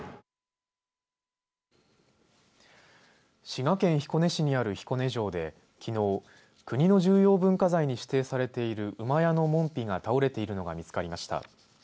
滋賀県彦根市にある彦根城できのう国の重要文化財に指定されている馬屋の門扉が倒れているのが見つかりました。